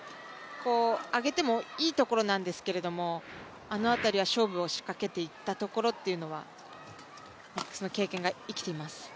上げてもいいところなんですけどあの辺りは勝負を仕掛けていったところっていうのはその経験が生きています。